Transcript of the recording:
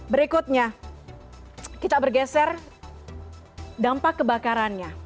berikutnya kita bergeser dampak kebakarannya